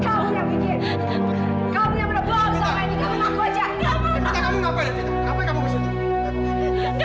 kamu yang berbohong sampai ini kamu ngaku aja